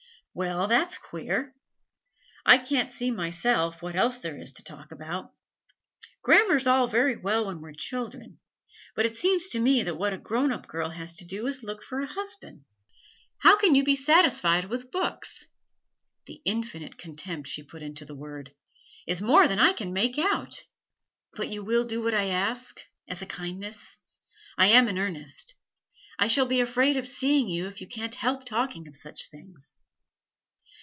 'Well, that's queer. I can't see, myself, what else there is to talk about. Grammar's all very well when we're children, but it seems to me that what a grown up girl has to do is to look out for a husband. How you can be satisfied with books' the infinite contempt she put into the word! 'is more than I can make out.' 'But you will do what I ask, as a kindness? I am in earnest; I shall be afraid of seeing you if you can't help talking of such things.'